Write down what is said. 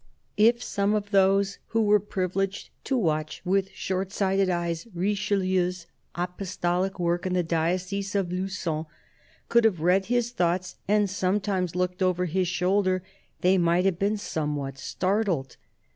IF some of those who were privileged to watch, with short sighted eyes, Richelieu's apostolic work in the diocese of Lugon, could have read his thoughts and sometimes looked over his shoulder, they might have been somewhat startled.